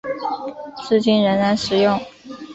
至今仍然使用。